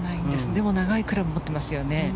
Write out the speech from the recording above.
でも長いクラブ持ってますね。